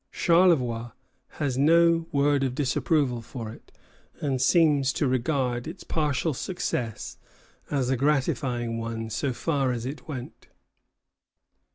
Charlevoix has no word of disapproval for it, and seems to regard its partial success as a gratifying one so far as it went.